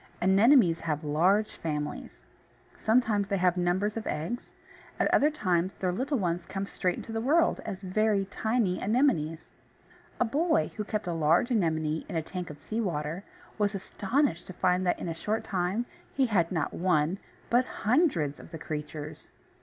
Anemones have large families. Sometimes they have numbers of eggs; at other times their little ones come straight into the world as very tiny Anemones. A boy who kept a large Anemone in a tank of sea water, was astonished to find that in a short time, he had not one, but hundreds, of the creatures.